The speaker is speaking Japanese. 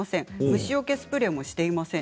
虫よけスプレーもしていません。